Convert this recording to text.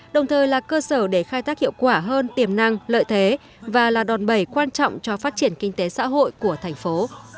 đồng thời là cơ sở để khai thác hiệu quả hơn tiềm năng lợi thế và là đòn bẩy quan trọng cho phát triển kinh tế xã hội của thành phố